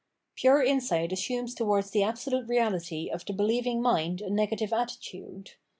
Pure insight assumes towards the absolute Eeality of the beheving mind a negative attitude.